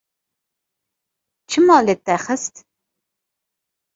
Çima li te xist?